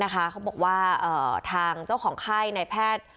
เขาบอกว่าทางเจ้าของไข้ในแพทย์